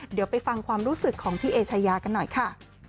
เดี๋ยวไปฟังความรู้สึกของพี่เอชายากันหน่อยค่ะ